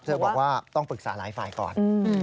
บอกว่าต้องปรึกษาหลายฝ่ายก่อน